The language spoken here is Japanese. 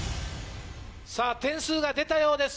点数が出たようです